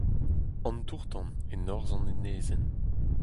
An tour-tan e norzh an enezenn.